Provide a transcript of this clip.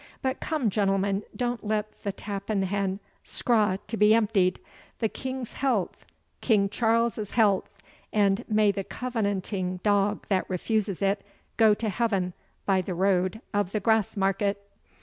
But come, gentlemen, don't let the tappit hen scraugh to be emptied. The King's health, King Charles's health! and may the covenanting dog that refuses it, go to Heaven by the road of the Grassmarket!"